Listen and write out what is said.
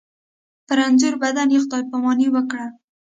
په رنځور بدن یې خدای پاماني وکړه.